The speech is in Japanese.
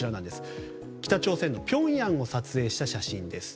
北朝鮮のピョンヤンを撮影した写真です。